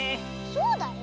そうだよ。